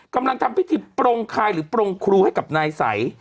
กำลังทำพิธีปรงคายหรือปรงครูให้กับนายสัย